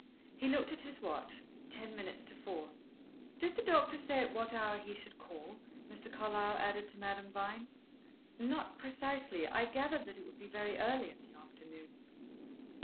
He looked at his watch: ten minutes to four. "Did the doctor say at what hour he should call?" Mr. Carlyle added to Madame Vine. "Not precisely. I gathered that it would be very early in the afternoon."